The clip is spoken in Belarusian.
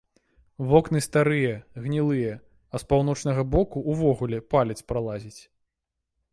Вокны старыя, гнілыя, а з паўночнага боку ўвогуле палец пралазіць.